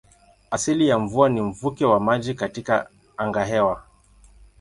Asili ya mvua ni mvuke wa maji katika angahewa.